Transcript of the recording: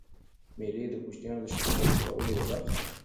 مېلې د کوچنيانو د شخصیت د جوړولو یوه برخه ده.